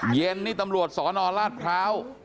เย็นนี่ตำรวจสนราชพร้าว